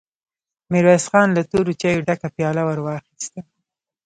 ميرويس خان له تورو چايو ډکه پياله ور واخيسته.